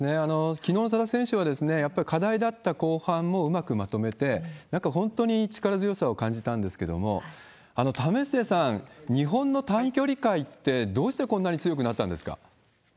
きのうの多田選手は、やっぱり課題だった後半もうまくまとめて、なんか本当に力強さを感じたんですけど、為末さん、日本の短距離界って、どうしてこんなに強くなったんですか？